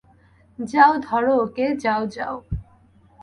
যাও ধরো ওকে - যাও যাও!